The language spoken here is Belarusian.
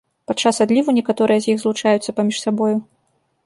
Падчас адліву некаторыя з іх злучаюцца паміж сабою.